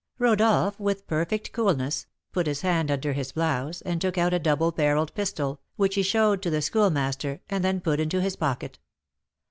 Rodolph, with perfect coolness, put his hand under his blouse, and took out a double barrelled pistol, which he showed to the Schoolmaster, and then put into his pocket.